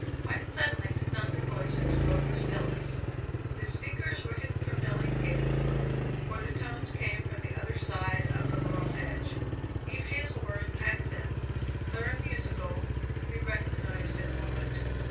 Quite suddenly the sound of voices broke the stillness. The speakers were hidden from Nelly's gaze, for the tones came from the other side of the laurel hedge. Eve Hazleburn's accents, clear and musical, could be recognised in a moment.